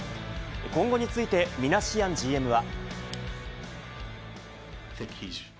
今後について、ミナシアンＧＭは。